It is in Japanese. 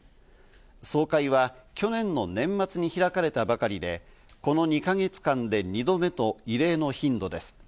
総会は去年の年末に開かれたばかりで、この２か月間で２度目と異例の頻度です。